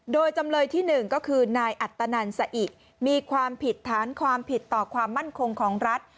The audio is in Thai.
โดยจำเลยที่๑ก็คือนายอัตนันสะอิมีความผิดฐานความผิดต่อความมั่นคงของรัฐ